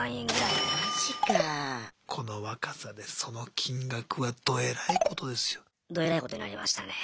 この若さでその金額はどえらいことになりましたね。